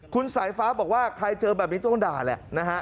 คุณสายฟ้าบอกว่าใครเจอแบบนี้ต้องด่าแหละนะฮะ